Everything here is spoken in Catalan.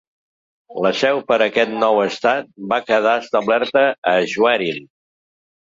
La seu per a aquest nou estat va quedar establerta a Schwerin.